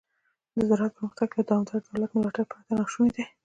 د زراعت پرمختګ له دوامداره دولت ملاتړ پرته ناشونی دی.